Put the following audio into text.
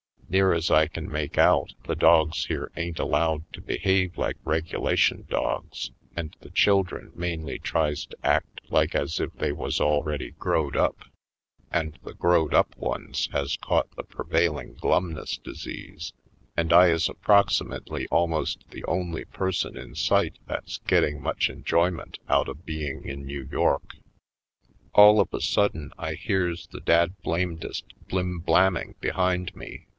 Near as I can make out, the dogs here ain't allowed to behave like reg ulation dogs, and the children mainly tries to act like as if they was already growed 64 /. Poindexter^ Colored up, and the growed up ones has caught the prevailing glumness disease and I is ap proximately almost the only person in sight that's getting much enjoyment out of being in New York. All of a sudden I hears the dad blame dest blim blamming behind me.